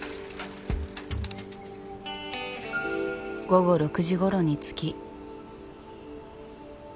午後６時ごろに着き。